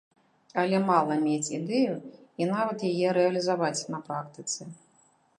Але мала мець ідэю, і нават яе рэалізаваць на практыцы.